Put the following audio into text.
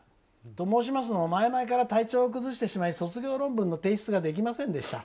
と申しますのは前々から体調を崩してしまい卒業論文の提出ができませんでした。